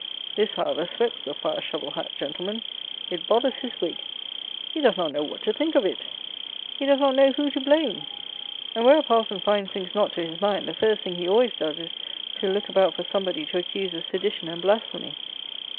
This, however, sweats the fire shovel hat gentleman. It "bothers his wig." He does not know what to think of it. He does not know who to blame; and, where a parson finds things not to his mind, the first thing he always does is, to look about for somebody to accuse of sedition and blasphemy.